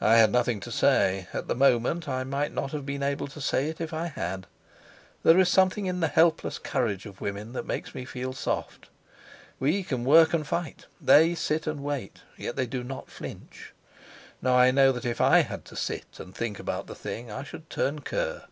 I had nothing to say; at the moment I might not have been able to say it if I had. There is something in the helpless courage of women that makes me feel soft. We can work and fight; they sit and wait. Yet they do not flinch. Now I know that if I had to sit and think about the thing I should turn cur.